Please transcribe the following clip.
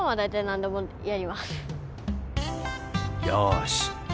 よし！